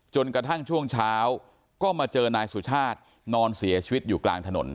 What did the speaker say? จนกระทั่งช่วงเช้าก็มาเจอนายสุชาตินอนเสียชีวิตอยู่กลางถนน